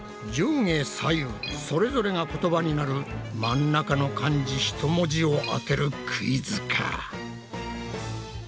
上下左右それぞれが言葉になる真ん中の漢字ひと文字を当てるクイズか。